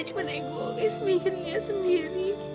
cuma ibu gak bisa mikir lia sendiri